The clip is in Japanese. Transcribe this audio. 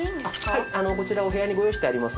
はいこちらお部屋にご用意してあります